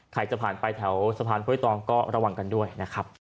ใครจะผ่านไปแถวสะพานห้วยตองก็ระวังกันด้วยนะครับ